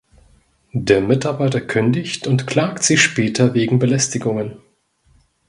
Der Mitarbeiter kündigt und klagt sie später wegen Belästigungen.